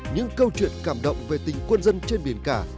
những câu chuyện cảm động về tình quân dân trên biển cả